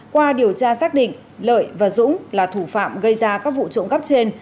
qua điều tra xác định lợi và dũng là thủ phạm gây ra các vụ trộm cắp trên